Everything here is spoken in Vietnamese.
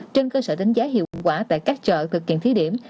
trên cơ sở đánh giá hiệu quả tại các chợ thực hiện thí điểm